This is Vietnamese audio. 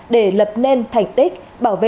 để lập nên thành tích bảo vệ